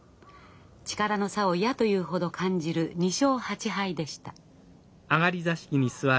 力の差を嫌というほど感じる２勝８敗でした。